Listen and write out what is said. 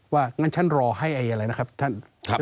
งั้นฉันรอให้อะไรนะครับท่าน